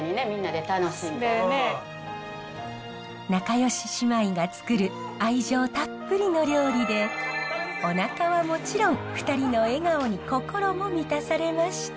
仲よし姉妹が作る愛情たっぷりの料理でおなかはもちろん２人の笑顔に心も満たされました。